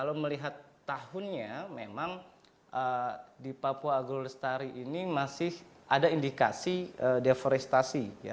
kalau melihat tahunnya memang di papua agro lestari ini masih ada indikasi deforestasi